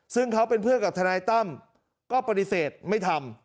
ซึ่งเขาเป็นเพื่อนกับทนายตั้มก็ปฏิเสธไม่ทำ